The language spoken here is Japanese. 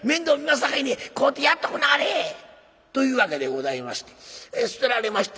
さかいに飼うてやっとくんなはれ」。というわけでございまして捨てられました